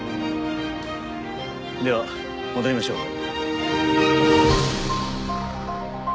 では戻りましょう。